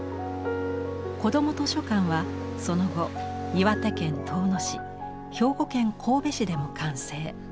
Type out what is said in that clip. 子ども図書館はその後岩手県遠野市兵庫県神戸市でも完成。